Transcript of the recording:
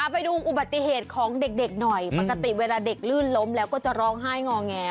ไปดูอุบัติเหตุของเด็กหน่อยปกติเวลาเด็กลื่นล้มแล้วก็จะร้องไห้งอแง